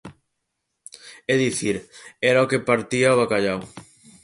É dicir, era o que partía o bacallau.